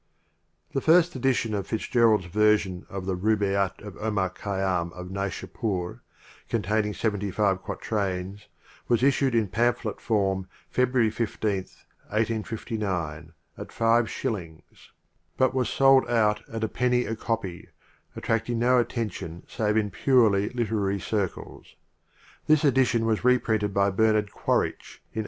XI Th* The first edition of FitzGer aid's version Preface Q jr the «R u fa>jy6t of Omar Khayydm of Naishap&r" containing seventy five quat rains , was issued in pamphlet form Feb ruary 15, 1859, atfive shillings, but was sold out at a penny a copy, attracting no attention save in purely literary circles. This edition was reprinted by Bernard Quaritch in 1862.